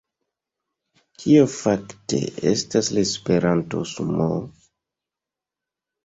Kio fakte estas la Esperanto-sumoo?